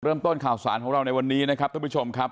เริ่มต้นข่าวสารของเราในวันนี้นะครับท่านผู้ชมครับ